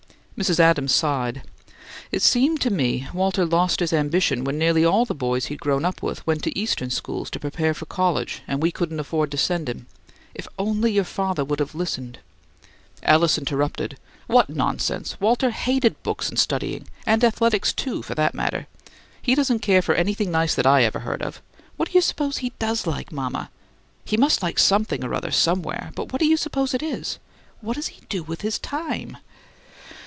Mrs. Adams sighed. "It seemed to me Walter lost his ambition when nearly all the boys he'd grown up with went to Eastern schools to prepare for college, and we couldn't afford to send him. If only your father would have listened " Alice interrupted: "What nonsense! Walter hated books and studying, and athletics, too, for that matter. He doesn't care for anything nice that I ever heard of. What do you suppose he does like, mama? He must like something or other somewhere, but what do you suppose it is? What does he do with his time?"